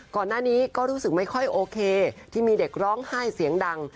ก่อนหน้านี้ก็รู้สึกไม่ค่อยโอเคที่มีเด็กร้องไห้เสียงดัง